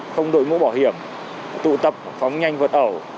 không đội mũ bảo hiểm tụ tập phóng nhanh vượt ẩu